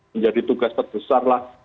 menjadi tugas terbesarlah